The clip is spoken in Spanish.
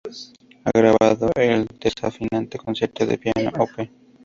Ha grabado el desafiante Concierto de Piano Op.